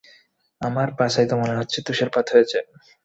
আমার পাছায় তো মনেহচ্ছে তুষারপাত হয়েছে।